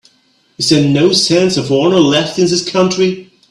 Is there no sense of honor left in this country?